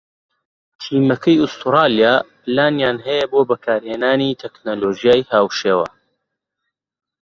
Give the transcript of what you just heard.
تیمەکەی ئوسترالیا پلانیان هەیە بۆ بەکارهێنانی تەکنۆلۆژیای هاوشێوە